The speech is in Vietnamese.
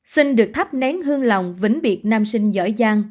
sinh được thắp nén hương lòng vĩnh biệt nam sinh giỏi giang